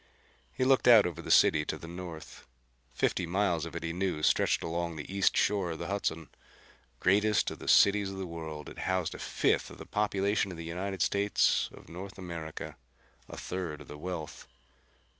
He looked out over the city to the north: fifty miles of it he knew stretched along the east shore of the Hudson. Greatest of the cities of the world, it housed a fifth of the population of the United States of North America; a third of the wealth.